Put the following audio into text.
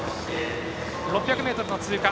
６００ｍの通過。